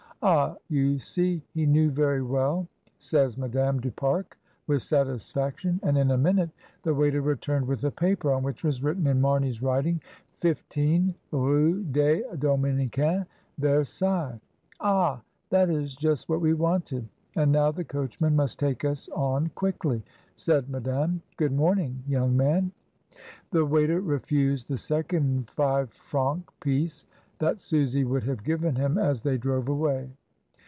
"Ah, you see, he knew very well," says Madame du Pare, with satisfaction, and in a minute the waiter returned with a paper, on which was written, in Mamey's writing, "15 Rue des Dominicains, Versailles." "Ah! That is just what we wanted; and now the coachman must take us on quickly," said Ma dame. "Good morning, young man." The waiter refused the second five firanc piece that Susy would have given him as they drove away.